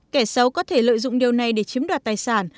kẻ xấu có thể lợi dụng điều này để chiếm đoạt tài sản